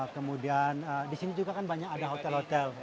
kemudian di sini juga kan banyak ada hotel hotel